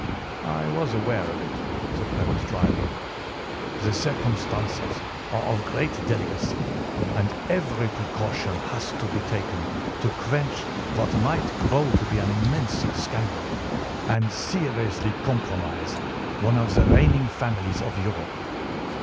"I was aware of it," said Holmes dryly. "The circumstances are of great delicacy, and every precaution has to be taken to quench what might grow to be an immense scandal and seriously compromise one of the reigning families of Europe.